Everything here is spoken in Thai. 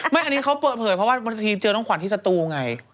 อันนี้เขาเปิดเผยเพราะว่าบางทีเจอน้องขวัญที่สตูไง